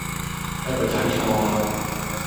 你係咪睇錯啊？